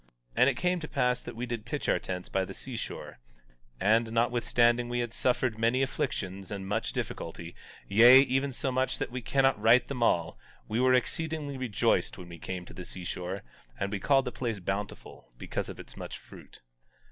17:6 And it came to pass that we did pitch our tents by the seashore; and notwithstanding we had suffered many afflictions and much difficulty, yea, even so much that we cannot write them all, we were exceedingly rejoiced when we came to the seashore; and we called the place Bountiful, because of its much fruit.